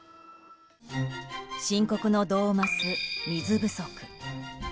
深刻の度を増す、水不足。